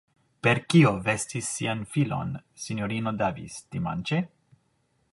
Per kio vestis sian filon S-ino Davis, dimanĉe?